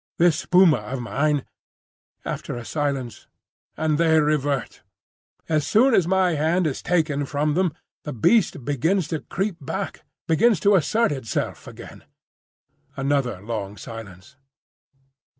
This puma of mine—" After a silence, "And they revert. As soon as my hand is taken from them the beast begins to creep back, begins to assert itself again." Another long silence.